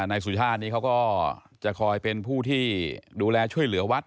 นายสุชาตินี้เขาก็จะคอยเป็นผู้ที่ดูแลช่วยเหลือวัด